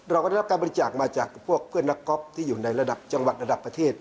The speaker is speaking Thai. เราก็ได้รับการบริจาคมาจากพวกเพื่อนนักก๊อฟที่อยู่ในระดับจังหวัดระดับประเทศ